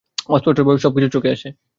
অস্পষ্টভাবে সব কিছু চোখে আসে।